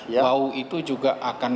bau itu juga akan